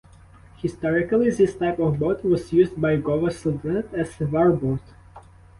Historically this type of boat was used by Gowa Sultanate as war boat.